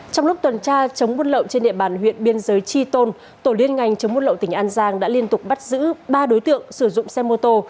trong lúc tuần tra chống buôn lậu trên địa bàn huyện biên giới tri tôn tổ liên ngành chống buôn lậu tỉnh an giang đã liên tục bắt giữ ba đối tượng sử dụng xe mô tô